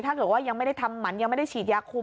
ถ้าเกิดว่ายังไม่ได้ทำหมันยังไม่ได้ฉีดยาคุม